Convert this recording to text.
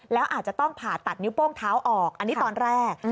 แล้วอาจจะต้องผ่าตัดนิ้วโป้งเท้าออกอันนี้ตอนแรก